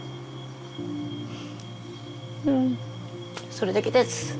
それだけです。